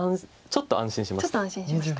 ちょっと安心しました。